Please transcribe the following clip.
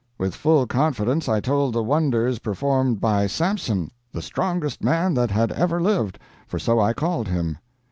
With full confidence I told the wonders performed by Samson, the strongest man that had ever lived for so I called him.